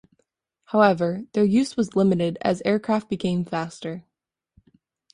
However, their use was limited as aircraft became faster.